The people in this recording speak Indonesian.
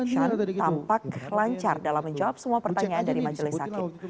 shan tampak lancar dalam menjawab semua pertanyaan dari majelis hakim